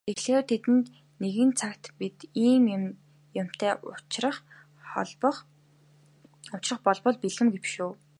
Тэгэхлээр тэдэнтэй нэгэн цагт бид ийм юмтай учрах болбол бэлэн биш үү?